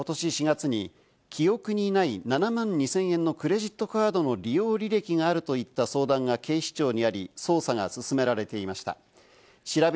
店を巡っては、ことし４月に記憶にない７万２０００円のクレジットカードの利用履歴があるといった相談が警視庁にあり、捜査が進められていました。